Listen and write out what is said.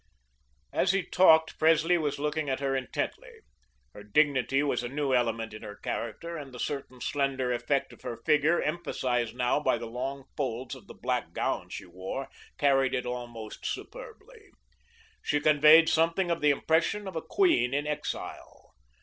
As he talked, Presley was looking at her intently. Her dignity was a new element in her character and the certain slender effect of her figure, emphasised now by the long folds of the black gown she wore, carried it almost superbly. She conveyed something of the impression of a queen in exile.